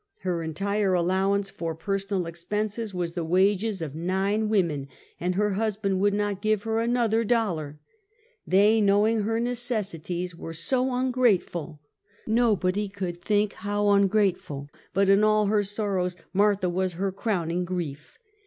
Her entire allowance for personal expenses, was the 56 Half a Centuet. wages of nine women, and lier hnsband would not give her another dollar. They, knowing her necessities, were so ungrateful! — nobody could think how ungrate ful; but in all her sorrows, Martha was her crowning grief.